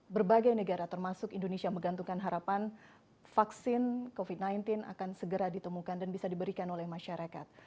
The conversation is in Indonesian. berbagai negara termasuk indonesia menggantungkan harapan vaksin covid sembilan belas akan segera ditemukan dan bisa diberikan oleh masyarakat